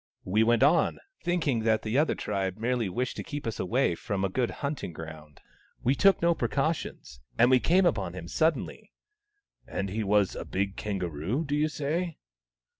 We went on, thinking that the other tribe merely wished to keep us away from a good hunting ground. We took no precautions, and we came upon him suddenly." " And he was a big kangaroo, do you say